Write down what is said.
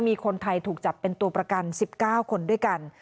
มีคนไทยถูกจับเป็นตัวประกัน๑๙คนด้วยกัน